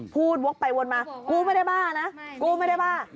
วกไปวนมากูไม่ได้บ้านะกูไม่ได้บ้า